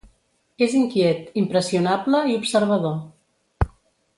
És inquiet, impressionable i observador.